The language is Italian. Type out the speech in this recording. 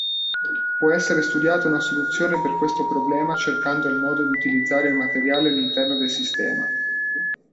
Può essere studiata una soluzione per questo problema cercando il modo di utilizzare il materiale all'interno del sistema.